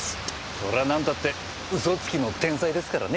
そりゃ何たって嘘つきの天才ですからね。